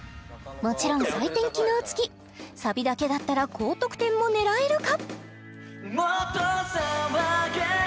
もちろん採点機能付きサビだけだったら高得点も狙えるか？